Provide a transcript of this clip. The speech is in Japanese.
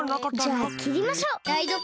じゃあきりましょう。